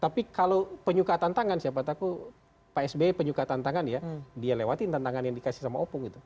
tapi kalau penyuka tantangan siapa tahu pak sby penyuka tantangan ya dia lewatin tantangan yang dikasih sama opung gitu